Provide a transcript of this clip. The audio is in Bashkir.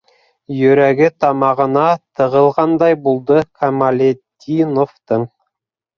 - Йөрәге тамағына тығылғандай булды Камалетдиновтың.